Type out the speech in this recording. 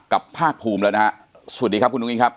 กับภาคภูมิแล้วนะสวัสดีครับคุณอุ้งอิ๊งครับ